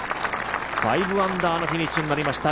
５アンダーのフィニッシュになりました。